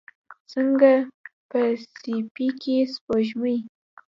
څنګه په سیپۍ کې سپوږمۍ